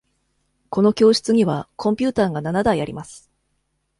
この教室にはコンピューターが七台あります。